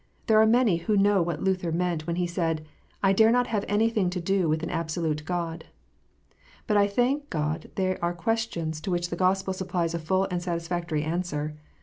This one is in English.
There are many who know what Luther meant, when he said, " I dare not have any thing to do with an absolute God." But I thank God they are questions to which the Gospel supplies a full and satisfactory answer.